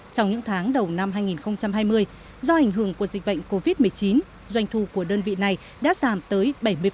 trong những tháng đầu năm hai nghìn hai mươi do ảnh hưởng của dịch bệnh covid một mươi chín doanh thu của đơn vị này đã giảm tới bảy mươi